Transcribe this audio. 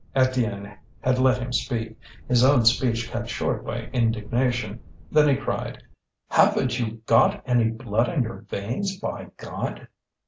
Étienne had let him speak, his own speech cut short by indignation. Then he cried: "Haven't you got any blood in your veins, by God?"